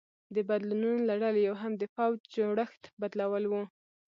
د بدلونونو له ډلې یو هم د پوځ جوړښت بدلول و